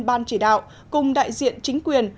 ban chỉ đạo cùng đại diện chính quyền